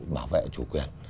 bảo vệ chủ quyền